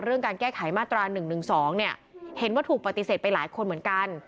การแก้ไขมาตรา๑๑๒เนี่ยเห็นว่าถูกปฏิเสธไปหลายคนเหมือนกัน